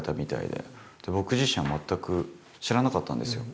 で僕自身は全く知らなかったんですよ。